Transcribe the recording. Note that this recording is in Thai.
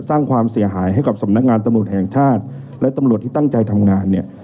สร้างความเสียหายให้กับสำนักงานตำรวจแห่งชาติและตำรวจที่ตั้งใจทำงานเนี่ย